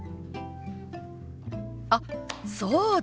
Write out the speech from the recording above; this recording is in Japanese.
あっそうだ！